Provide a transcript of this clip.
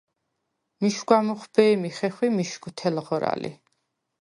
მიშგვა მუხვბე̄მი ხეხვი მიშგუ თელღრა ლი.